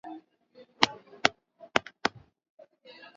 baada ya kujua kwamba niko na virusi vya ukimwi